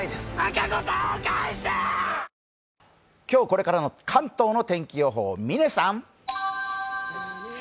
今日これからの関東の天気予報、嶺さん。